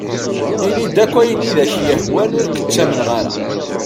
Ini-d ayen akk i ak-yehwan, ur k-ttamneɣ ara.